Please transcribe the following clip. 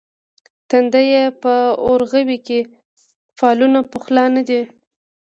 تندیه په اورغوي کې فالونه پخلا نه دي.